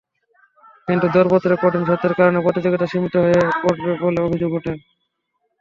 কিন্তু দরপত্রে কঠিন শর্তের কারণে প্রতিযোগিতা সীমিত হয়ে পড়বে বলে অভিযোগ ওঠে।